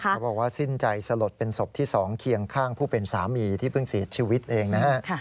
บอกว่าสิ้นใจสลดเป็นศพที่๒เคียงข้างผู้เป็นสามีที่เพิ่งเสียชีวิตเองนะฮะ